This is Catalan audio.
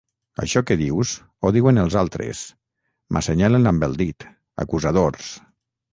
Això que dius ho diuen els altres, m’assenyalen amb el dit, acusadors.